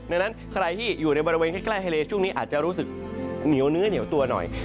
ดังนั้นใครที่อยู่ในบริเวณใกล้ทะเลช่วงนี้อาจจะรู้สึกเหนียวเนื้อเหนียวตัวหน่อย